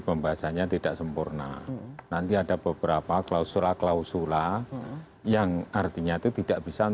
pembahasannya tidak sempurna nanti ada beberapa klausul klausul yang artinya itu tidak bisa